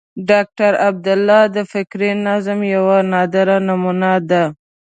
ډاکټر عبدالله د فکري نظام یوه نادره نمونه ده.